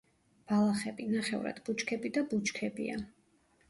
ბალახები, ნახევრად ბუჩქები და ბუჩქებია.